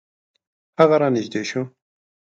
هغه را نژدې شو .